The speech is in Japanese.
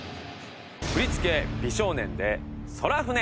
振り付け美少年で『宙船』。